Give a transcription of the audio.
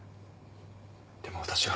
でも私は。